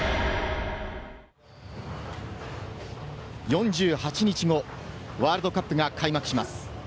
４８日後、ワールドカップが開幕します。